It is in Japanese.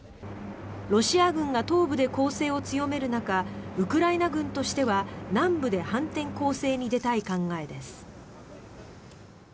ロシア軍が東部で攻勢を強める中ウクライナ軍としては南部で反転攻勢に出たい考えです。